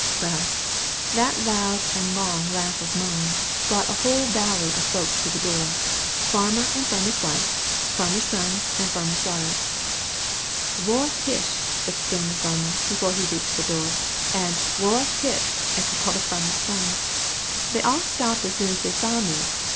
"Well, that loud and long laugh of mine, brought a whole volley of folks to the door farmer, and farmer's wife, farmer's sons, and farmer's daughters. 'Whoa hish!' exclaimed the farmer, before he reached the door; and 'Whoa hish!' echoed all the farmer's sons. They all stopped as soon as they saw me.